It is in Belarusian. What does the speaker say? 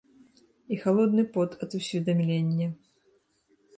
І халодны пот ад усведамлення.